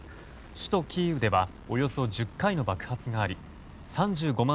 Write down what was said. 首都キーウではおよそ１０回の爆発があり３５万